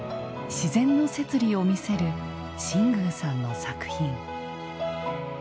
自然の摂理を見せる新宮さんの作品。